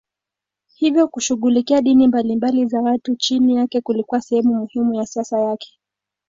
Hivyo kushughulikia dini mbalimbali za watu chini yake kulikuwa sehemu muhimu ya siasa yake.